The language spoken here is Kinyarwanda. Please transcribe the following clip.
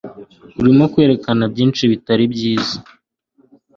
Urimo Kwerekana Byinshi bitari byiza